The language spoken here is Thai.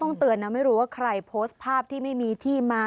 เตือนนะไม่รู้ว่าใครโพสต์ภาพที่ไม่มีที่มา